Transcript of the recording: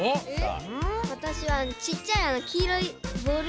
わたしはちっちゃいきいろいボール。